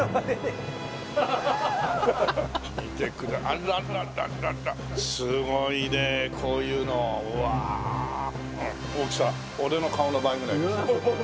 見てあららららすごいねこういうのうわ。大きさ俺の顔の倍ぐらいですよ。